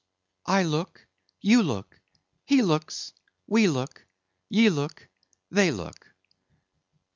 "I look, you look, he looks; we look, ye look, they look."